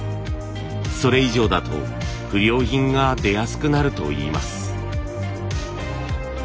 それ以上だと不良品が出やすくなるといいます。